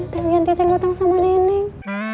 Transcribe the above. terian teteh ngutang sama neneng